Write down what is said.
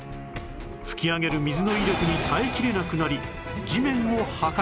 噴き上げる水の威力に耐えきれなくなり地面を破壊